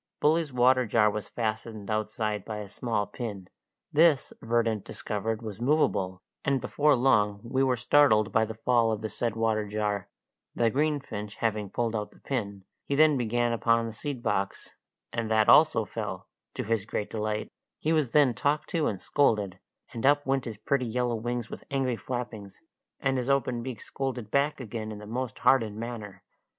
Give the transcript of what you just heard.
Bully's water jar was fastened outside by a small pin; this Verdant discovered was movable, and before long we were startled by the fall of the said water jar, the greenfinch having pulled out the pin; he then began upon the seed box, and that also fell, to his great delight; he was then talked to and scolded, and up went his pretty yellow wings with angry flappings, and his open beak scolded back again in the most hardened manner.